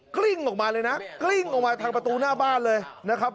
กลิ้งออกมาเลยนะกลิ้งออกมาทางประตูหน้าบ้านเลยนะครับ